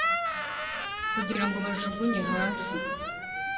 kugirango bajugunye hasi,